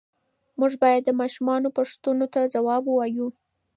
موږ باید د ماشومانو پوښتنو ته ځواب ووایو.